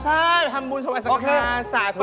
ใช่ทำบุญทำอาสังฆาตสาธุรกิจค่ะโอเคมานึก